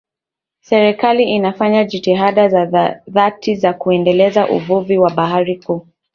Serikali inafanya jitihada za dhati za kuendeleza uvuvi wa bahari kuu